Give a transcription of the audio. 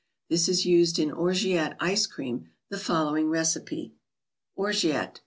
This is used in Orgeat Ice Cream , the following recipe. ICE CREAMS.